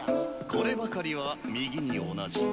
こればかりは右に同じ。